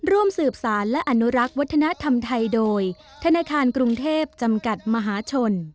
ร่วมสืบสารและอนุรักษ์วัฒนธรรมไทยโดยธนาคารกรุงเทพจำกัดมหาชน